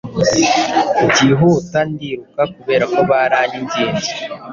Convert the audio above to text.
Byihuta ndiruka, Kuberako baranyinginze,